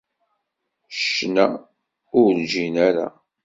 Ccna, ur ǧǧin ara.